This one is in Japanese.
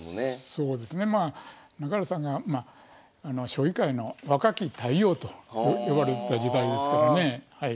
そうですねまあ中原さんが「将棋界の若き太陽」と呼ばれてた時代ですからね。